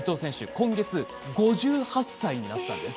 今月、５８歳になったんです。